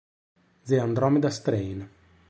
The Andromeda Strain